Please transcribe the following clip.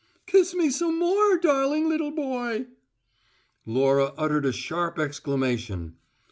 "Kiss me some more, darling little boy!" Laura uttered a sharp exclamation.